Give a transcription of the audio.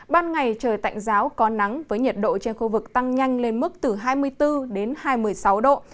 ban ngày trời tạnh giáo có nắng với nhiệt độ trên khu vực tăng nhanh lên mức từ hai mươi bốn đến hai mươi sáu độ